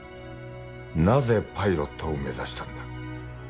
なぜパイロットを目指したんだ。